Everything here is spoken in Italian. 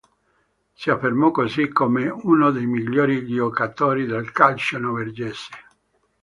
Si affermò così come uno dei migliori giocatori del calcio norvegese.